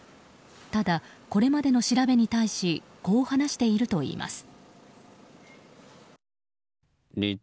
ただ、これまでの調べに対しこう話しているといいます。